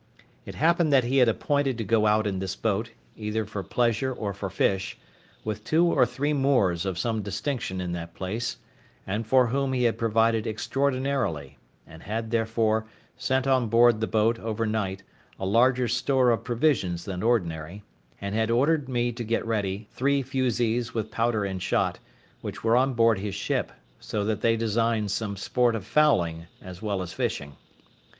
It happened that he had appointed to go out in this boat, either for pleasure or for fish, with two or three Moors of some distinction in that place, and for whom he had provided extraordinarily, and had, therefore, sent on board the boat overnight a larger store of provisions than ordinary; and had ordered me to get ready three fusees with powder and shot, which were on board his ship, for that they designed some sport of fowling as well as fishing.